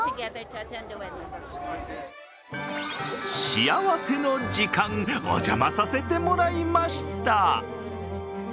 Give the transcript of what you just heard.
幸せの時間、お邪魔させてもらいました。